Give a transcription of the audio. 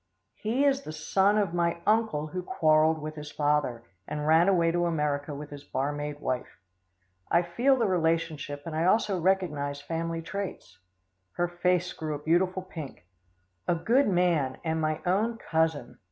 He is the son of my uncle who quarrelled with his father, and ran away to America with his barmaid wife. I feel the relationship, and I also recognise family traits." Her face grew a beautiful pink. "A good man, and my own cousin.